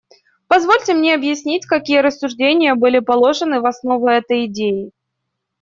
Позвольте мне объяснить, какие рассуждения были положены в основу этой идеи.